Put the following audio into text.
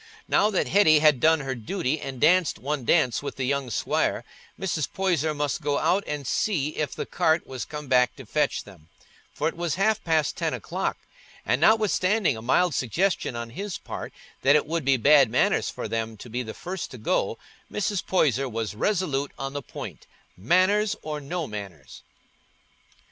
Now that Hetty had done her duty and danced one dance with the young squire, Mr. Poyser must go out and see if the cart was come back to fetch them, for it was half past ten o'clock, and notwithstanding a mild suggestion on his part that it would be bad manners for them to be the first to go, Mrs. Poyser was resolute on the point, "manners or no manners."